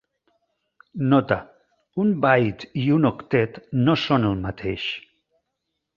Nota: Un "byte" i un octet no són el mateix.